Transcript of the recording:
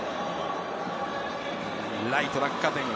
ライト、落下点。